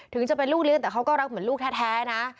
ถึงจะเป็นลูกเลี้ยงแต่เขาก็รักเหมือนลูกแท้นะ